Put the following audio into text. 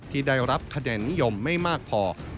ที่ได้รับคะแนนนิยมไม่มากพอ